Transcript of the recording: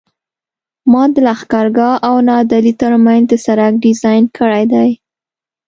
ما د لښکرګاه او نادعلي ترمنځ د سرک ډیزاین کړی دی